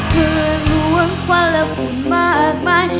เพื่อล้วงความละมุนมากมาย